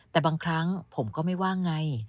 แต่บางครั้งผมก็ไม่ว่าไง